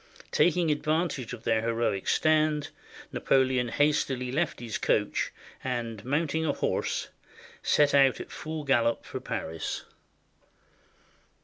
Taking advan tage of their heroic stand, Napoleon hastily left his coach, and, mounting a horse, set out at full gallop for Paris.